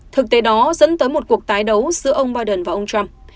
thực tế đó dẫn tới một cuộc tái đấu giữa ông biden và ông trump